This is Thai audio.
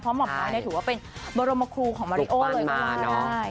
เพราะหม่ำน้อยถือว่าเป็นบรมครูของมอริโอละก่อน